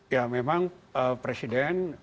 ya memang presiden